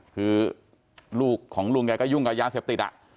คือลูกของลุงแกก็ยุ่งกับยาเสพติด